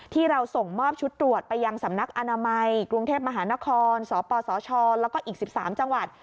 ที่เราส่งมอบชุดตรวจไปยังสำนักอนามัยกรุงเทพมหานครสปสชแล้วก็อีก๑๓จังหวัด